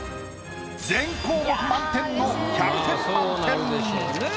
全項目満点の１００点満点。